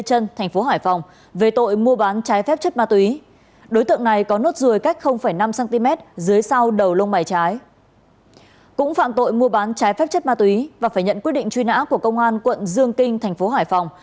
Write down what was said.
cũng phạm tội mua bán trái phép chất ma túy và phải nhận quyết định truy nã của công an quận dương kinh thành phố hải phòng